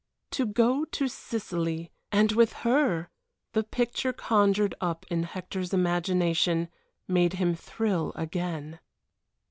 To go to Sicily and with her! The picture conjured up in Hector's imagination made him thrill again.